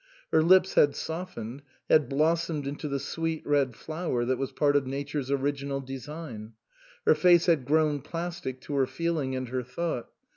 Her lips had softened, had blossomed into the sweet red flower that was part of Nature's original design. Her face had grown plastic to her feeling and her thought.